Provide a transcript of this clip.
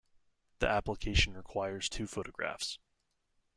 The application requires two photographs.